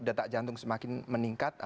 detak jantung semakin meningkat